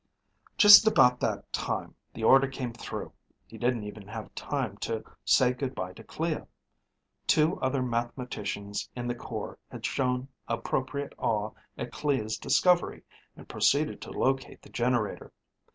Just about that time the order came through. He didn't even have time to say good bye to Clea. Two other mathematicians in the corps had shown appropriate awe at Clea's discovery and proceeded to locate the generator.